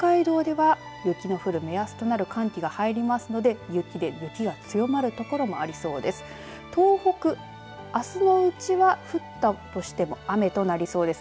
特に北海道では雪の降る目安となる寒気が入りますので雪が強まる所がありそうです。